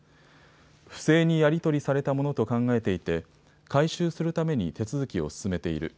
不正にやり取りされたものと考えていて回収するために手続きを進めている。